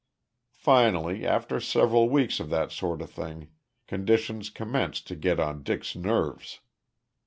Finally, after several weeks of that sort of thing, conditions commenced to get on Dick's nerves.